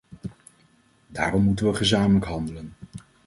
Daarom moeten we gezamenlijk handelen.